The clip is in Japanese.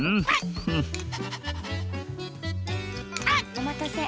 おまたせ。